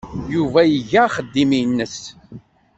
Yuba iga axeddim-nnes.